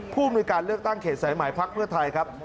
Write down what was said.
ผู้มีการเลือกตั้งเขตสายไหมพลักษณ์เพื่อไทยครับ